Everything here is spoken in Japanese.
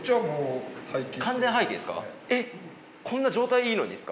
完全廃棄ですか？